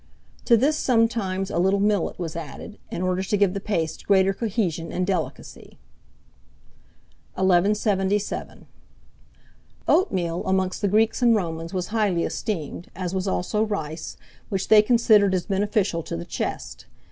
To this sometimes a little millet was added, in order to give the paste greater cohesion and delicacy. 1177. OATMEAL AMONGST THE GREEKS AND ROMANS was highly esteemed, as was also rice, which they considered as beneficial to the chest.